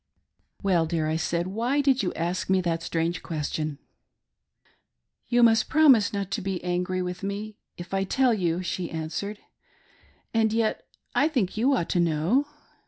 "Well dear," I said, "Why did you ask me that strange question .'"" You must promise not to be angry with me if I tell you," she answered, " and yet I think you ought to know."